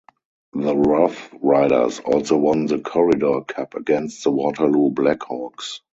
The Roughriders also won the Corridor Cup against the Waterloo Black Hawks.